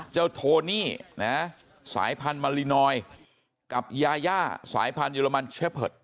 โทนี่นะสายพันธุ์มารินอยกับยาย่าสายพันธุเรมันเชฟเพิด